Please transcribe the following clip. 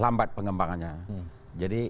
lambat pengembangannya jadi